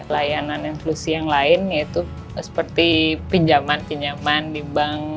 layanan inklusi yang lain yaitu seperti pinjaman pinjaman di bank